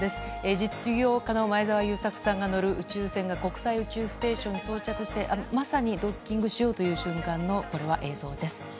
実業家の前澤友作さんが乗る宇宙船が国際宇宙ステーションに到着してまさにドッキングしようという瞬間の映像です。